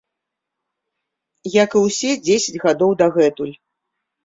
Як і ўсе дзесяць гадоў дагэтуль.